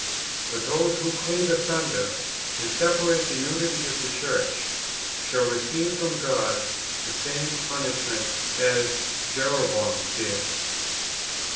But those who cleave asunder, and separate the unity of the church, [shall] receive from God the same punishment as Jeroboam did.